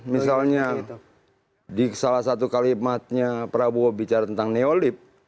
misalnya di salah satu kalimatnya prabowo bicara tentang neolib